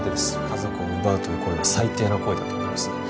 家族を奪うという行為は最低な行為だと思います